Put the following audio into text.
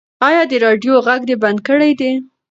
ایا د راډیو غږ دې بند کړی دی؟